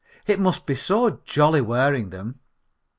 "It must be so jolly wearing them."